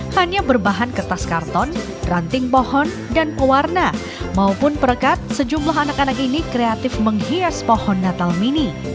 hanya berbahan kertas karton ranting pohon dan pewarna maupun perekat sejumlah anak anak ini kreatif menghias pohon natal mini